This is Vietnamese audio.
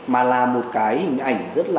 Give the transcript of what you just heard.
mà là một cái hình ảnh rất là